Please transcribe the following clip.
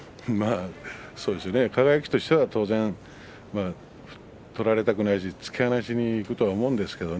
輝としては当然取られたくないし突き放しにいくと思いますけれどね。